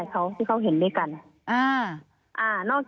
กี่โมง